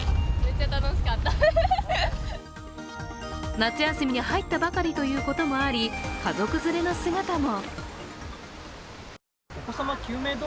夏休みに入ったばかりということもあり家族連れの姿も。